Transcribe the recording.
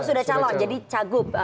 sudah calon jadi cagup